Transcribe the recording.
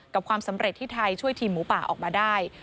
ความสำเร็จที่ไทยช่วยทีมหมูป่าออกมาได้